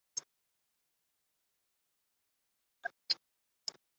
斯瓦勒夫市是瑞典南部斯科讷省的一个自治市。